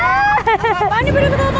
apaan ya bener bener tau tau